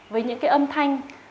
với những cái âm thanh